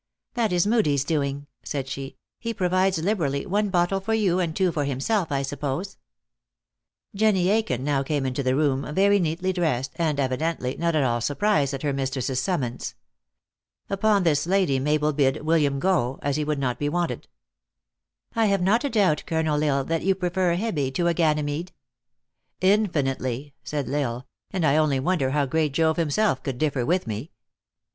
"That is Moodie s doing," said she. " He provides liberally, one bottle for you, and two for himself, I suppose." Jenny Aiken now came into the room, very neatly dressed, and, evidently not at all surprised at her mistress s summons. Upon this Lady Mabel bid Wil liam go, as he would not be wanted." "I have not a doubt, Colonel L Isle, that you prefer a Hebe to a Ganymede." " Infinitely," said L Isle; " and I only wonder how great Jove himself could differ with me."